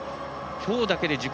きょうだけで自己